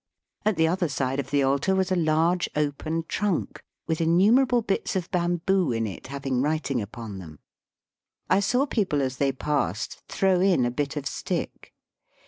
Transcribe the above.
At the other side of the altar was a large open trunk, with innumerable bits of bamboo in it having writing upon them. I saw people as they passed throw in a bit of stick.